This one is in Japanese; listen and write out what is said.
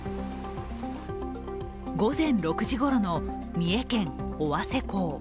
午前６時ごろの三重県尾鷲港。